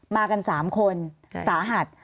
มากัน๓คนสาหัส